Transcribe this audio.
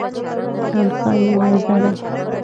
امسا یې نیزه ده.